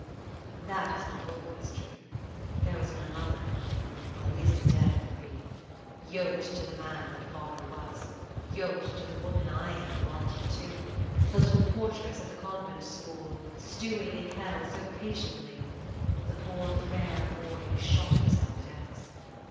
That is not always true : there was my Mother (well at least the dead are free !) Yoked to the man that Father was ; yoked to the woman I am, Monty too ; The little portress at the Convent School, stewing in hell so patiently ; The poor, fair boy who shot himself at Aix.